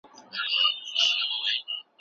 شپږ وروسته له پنځو راځي.